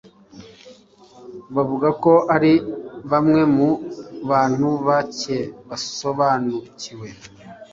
bavuga ko ari bamwe mu Bantu bake basobanukiwe